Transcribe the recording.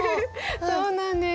そうなんです。